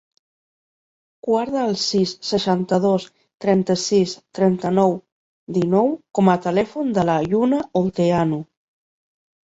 Guarda el sis, seixanta-dos, trenta-sis, trenta-nou, dinou com a telèfon de la Lluna Olteanu.